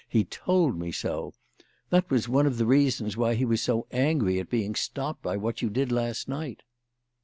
He told me so. That was one of the reasons why he was so angry at being stopped by what you did last night."